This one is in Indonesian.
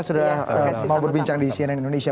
sudah mau berbincang di cnn indonesia